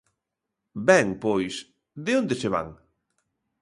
Ben, pois ¿de onde se van?